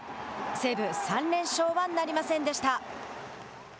西武、３連勝はなりませんでした。